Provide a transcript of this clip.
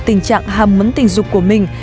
tình trạng hàm muốn tình dục của mình